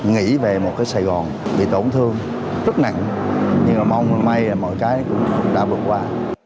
nghĩ về một cái sài gòn bị tổn thương rất nặng nhưng mà mong may là mọi cái cũng đã vượt qua